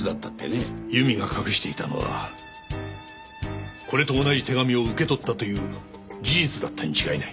由美が隠していたのはこれと同じ手紙を受け取ったという事実だったに違いない。